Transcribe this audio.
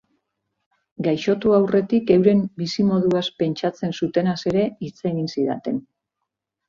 Gaixotu aurretik euren bizimoduaz pentsatzen zutenaz ere hitz egin zidaten.